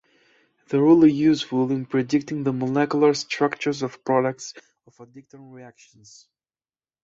The rule is useful in predicting the molecular structures of products of addition reactions.